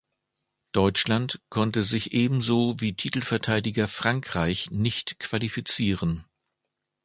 Deutschland konnte sich ebenso wie Titelverteidiger Frankreich nicht qualifizieren.